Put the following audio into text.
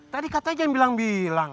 tadi kata aja yang bilang bilang